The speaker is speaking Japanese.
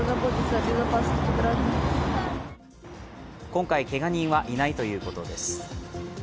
今回、けが人はいないということです。